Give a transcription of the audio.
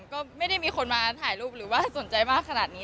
ก็ไม่ได้มีคนมาถ่ายรูปหรือว่าสนใจมากขนาดนี้